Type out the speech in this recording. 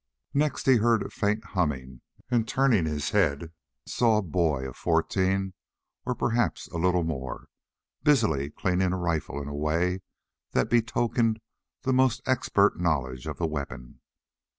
Next he heard a faint humming, and, turning his head, saw a boy of fourteen or perhaps a little more, busily cleaning a rifle in a way that betokened the most expert knowledge of the weapon.